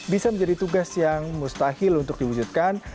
bisa menjadi tugas yang mustahil untuk diwujudkan